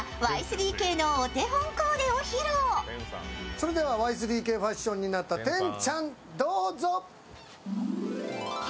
それではＹ３Ｋファッションになった天ちゃん、どうぞ。